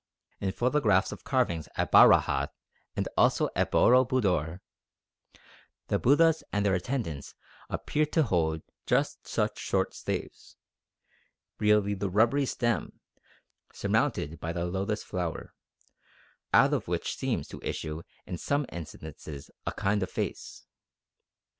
In photographs of carvings at Bharahat and also at Boro Budor, the Buddhas and their attendants appear to hold just such short staves, really the rubbery stem, surmounted by the lotus flower, out of which seems to issue in some instances a kind of face.